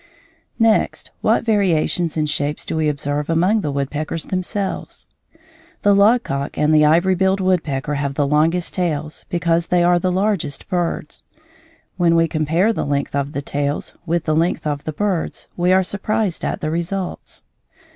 Next, what variations in shapes do we observe among the woodpeckers themselves? The logcock and the ivory billed woodpecker have the longest tails because they are the largest birds. When we compare the length of the tails with the length of the birds we are surprised at the results.